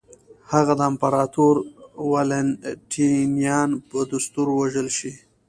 هغه د امپراتور والنټینیان په دستور ووژل شي.